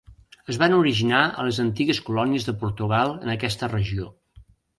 Es van originar a les antigues colònies de Portugal en aquesta regió.